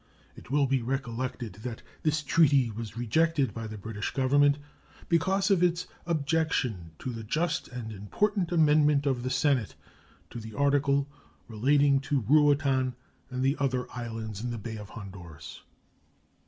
It will be recollected that this treaty was rejected by the British Government because of its objection to the just and important amendment of the Senate to the article relating to Ruatan and the other islands in the Bay of Honduras.